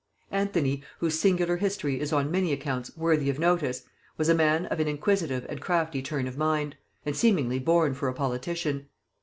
Anthony, whose singular history is on many accounts worthy of notice, was a man of an inquisitive and crafty turn of mind, and seemingly born for a politician.